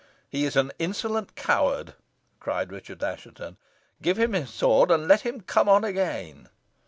"He is an insolent coward," said Richard Assheton. "Give him his sword and let him come on again."